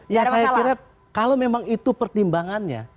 ya saya kira kalau memang itu pertimbangannya